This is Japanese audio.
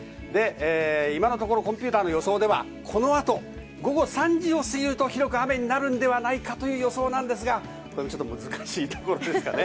今のところコンピューターの予想ではこのあと午後３時をすぎると広く雨になるんではないかということで、ちょっと難しいところです。